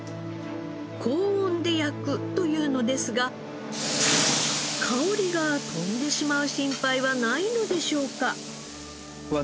高温で焼くというのですが香りが飛んでしまう心配はないのでしょうか？